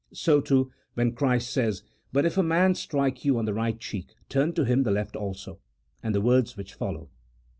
So, too, when Christ says: " But if a man strike you on the right cheek, turn to him the left also," and the words which follow.